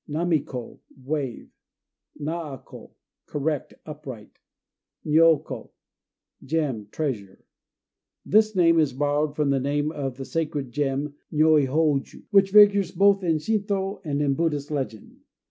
Nami ko "Wave." Nao ko "Correct," upright. Nyo ko "Gem Treasure." This name is borrowed from the name of the sacred gem Nyoihôju, which figures both in Shintô and in Buddhist legend.